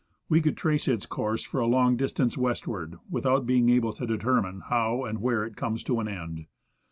We could trace its course for a long distance westward, without being able to determine how and where it comes to an end.